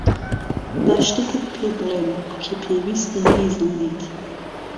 با شتێکت پێبڵێم کە پێویستە بیزانیت.